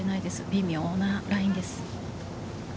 微妙なラインです。